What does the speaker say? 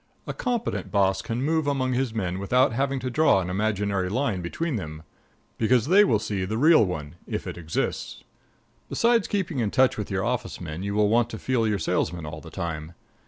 A competent boss can move among his men without having to draw an imaginary line between them, because they will see the real one if it exists. Besides keeping in touch with your office men, you want to feel your salesmen all the time.